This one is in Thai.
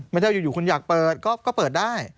ไม่ได้ว่าอยู่อยู่อยู่คุณอยากเปิดก็เปิดได้